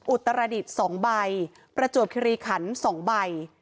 อุตรดิษฐ์๒ใบประจวบคิริขัน๒ใบ